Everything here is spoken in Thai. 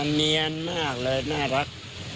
เนียนมากเลยน่ารัก